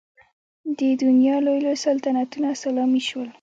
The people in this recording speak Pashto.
د دنیا لوی لوی سلطنتونه سلامي شول.